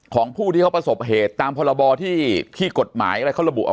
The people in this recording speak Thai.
ของผู้ที่เขาประสบเหตุตามพรบที่กฎหมายอะไรเขาระบุเอา